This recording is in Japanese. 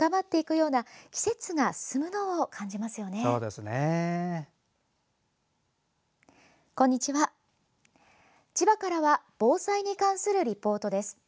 こんにちは、千葉からは防災に関するリポートです。